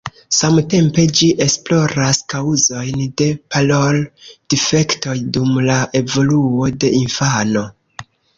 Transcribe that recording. Samtempe ĝi esploras kaŭzojn de parol-difektoj dum la evoluo de infano.